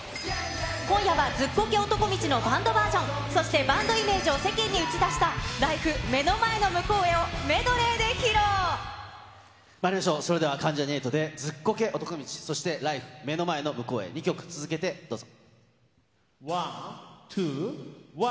今夜は、ズッコケ男道のバンドバージョン、そしてバンドイメージを世間に打ち出したＬＩＦＥ目の前の向こまいりましょう、それでは関ジャニ∞で、ズッコケ男道、そしてＬＩＦＥ目の前の向こうへ２曲続けて、どうぞ。